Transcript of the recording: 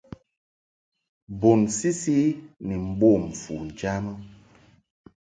Bun sisi ni mbom fu njamɨ.